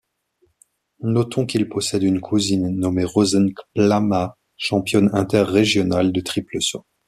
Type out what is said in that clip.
Notons qu'il possède une cousine nommée Rozenn Kplama, championne interrégionale de triple saut.